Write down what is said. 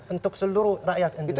untuk seluruh rakyat indonesia